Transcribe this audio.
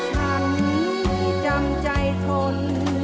ฉันจำใจทน